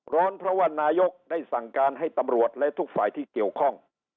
เพราะว่านายกได้สั่งการให้ตำรวจและทุกฝ่ายที่เกี่ยวข้อง